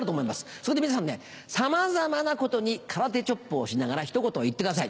そこで皆さんねさまざまなことに空手チョップをしながらひと言言ってください。